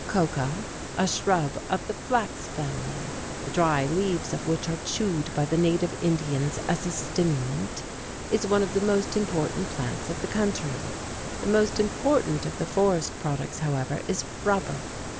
Coca (a shrub of the flax family, the dry leaves of which are chewed by the native Indians as a stimulant) is one of the most important plants of the country. The most important of the forest products, however, is rubber.